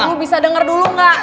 lo bisa denger dulu gak